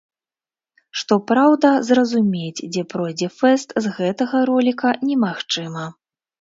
Што праўда, зразумець, дзе пройдзе фэст, з гэтага роліка немагчыма.